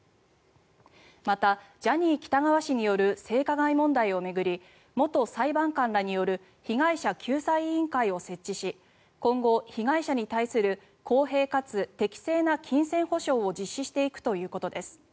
また、ジャニー喜多川氏による性加害問題を巡り元裁判官らによる被害者救済委員会を設置し今後、被害者に対する公平かつ適正な金銭補償を実施していくということです。